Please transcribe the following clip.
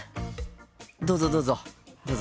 どうぞどうぞ。